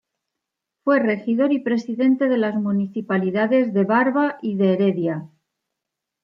Fue regidor y presidente de las municipalidades de Barva y de Heredia.